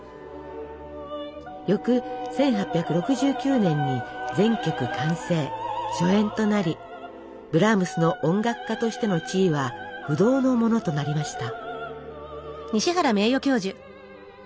翌１８６９年に全曲完成初演となりブラームスの音楽家としての地位は不動のものとなりました。